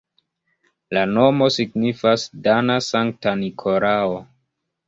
La nomo signifas dana-Sankta Nikolao.